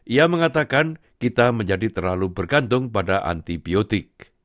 ia mengatakan kita menjadi terlalu bergantung pada antibiotik